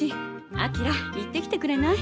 明行ってきてくれない？